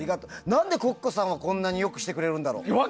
何でＣｏｃｃｏさんはこんなに良くしてくれるんだろう。